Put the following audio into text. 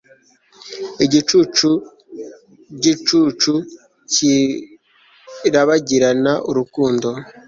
Igicucugicucu kirabagirana urukundo